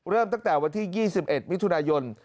เริ่มตั้งแต่วันที่๒๑มิถุนายน